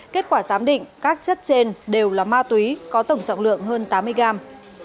kết quả giám định các chất trên đều là ma túy có tổng trọng lượng hơn tám mươi gram